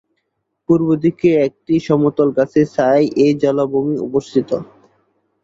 পূর্বদিকের একটি সমতল গাছের ছায়ায় এই জলাভূমি অবস্থিত।